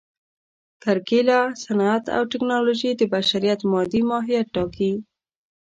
کرکېله، صنعت او ټکنالوژي د بشریت مادي ماهیت ټاکي.